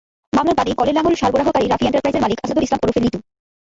মামলার বাদী কলের লাঙল সরবরাহকারী রাফি এন্টারপ্রাইজের মালিক আসাদুল ইসলাম ওরফে লিটু।